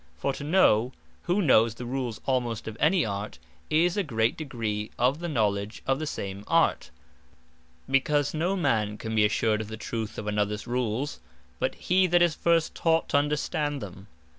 For to know, who knowes the Rules almost of any Art, is a great degree of the knowledge of the same Art; because no man can be assured of the truth of anothers Rules, but he that is first taught to understand them.